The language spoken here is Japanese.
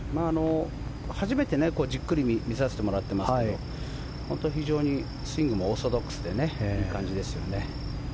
初めてじっくり見させてもらってますけど非常にスイングもオーソドックスでいい感じですよね。